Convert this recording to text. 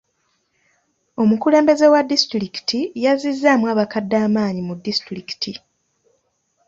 Omukulembeze wa disitulikiti yazizzaamu abakadde amaanyi mu disitulikiti.